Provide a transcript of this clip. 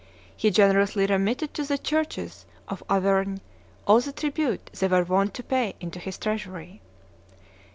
He generously remitted to the churches of Auvergne all the tribute they were wont to pay into his treasury."